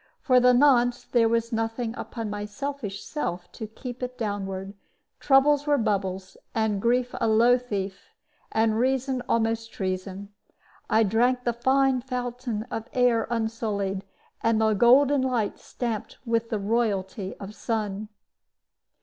For the nonce there was nothing upon my selfish self to keep it downward; troubles were bubbles, and grief a low thief, and reason almost treason. I drank the fine fountain of air unsullied, and the golden light stamped with the royalty of sun.